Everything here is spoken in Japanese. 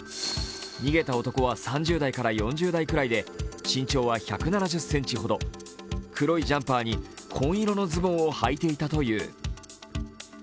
逃げた男は３０代から４０代ぐらいで、身長は１７０ｃｍほど黒いジャンパーに紺色のズボンをはいていたという。